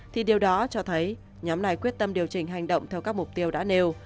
thì điều đó cho thấy nhóm này quyết tâm điều chỉnh hành động theo các mục tiêu đã nêu